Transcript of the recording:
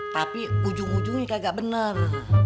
tapi ujung ujungnya kagak bener